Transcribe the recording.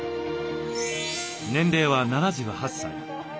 年齢は７８歳。